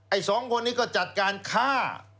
สองคนนี้ก็จัดการฆ่า